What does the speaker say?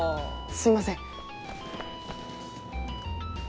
すいません。